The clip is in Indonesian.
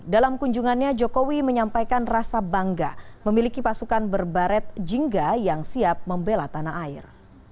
dalam kunjungannya jokowi menyampaikan rasa bangga memiliki pasukan berbaret jingga yang siap membela tanah air